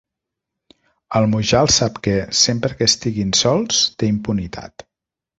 El Mujal sap que, sempre que estiguin sols, té impunitat.